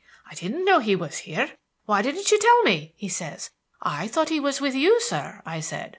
'I didn't know he was here. Why didn't you tell me?' he says. 'I thought he was with you, sir,' I said.